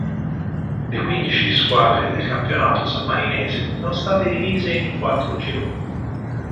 Le quindici squadre del campionato sammarinese sono state divise in quattro gironi.